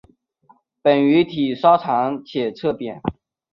本鱼体稍长且侧扁。